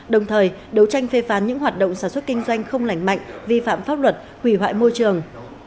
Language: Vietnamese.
đồng thời đấu tranh phê phán những hoạt động sản xuất kinh doanh không lành mạnh vi phạm pháp luật hủy hoại môi trường